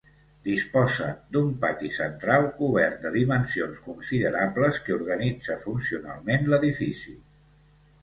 Disposa d'un pati central cobert de dimensions considerables que organitza funcionalment l'edifici.